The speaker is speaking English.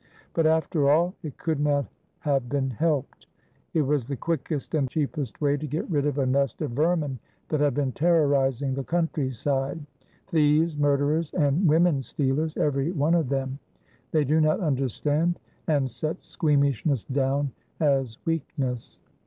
But, after all, it could not have been helped. It 433 THE BALKAN STATES was the quickest and cheapest way to get rid of a nest of vermin that had been terrorizing the countryside, — thieves, murderers, and women stealers, every one of them. They do not understand, and set squeamishness down as weakness.